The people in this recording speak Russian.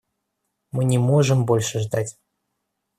Мы не можем больше ждать.